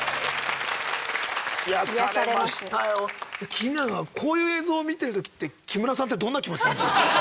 気になるのはこういう映像を見てるときって木村さんってどんな気持ちなんですか？